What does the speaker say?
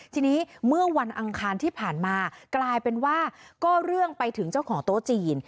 ทีนี้เมื่อวันอังคารที่ผ่านมากลายเป็นว่าก็เรื่องไปถึงเจ้าของโต๊ะจีน